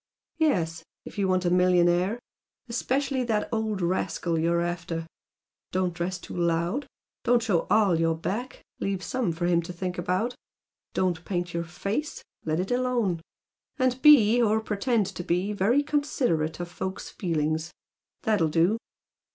"Yes if you want a millionaire. Especially the old rascal you're after. Don't dress too 'loud.' Don't show ALL your back leave some for him to think about. Don't paint your face, let it alone. And be, or pretend to be, very considerate of folks' feelings. That'll do!"